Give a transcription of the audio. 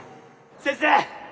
先生